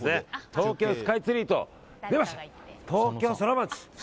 東京スカイツリーと東京ソラマチ。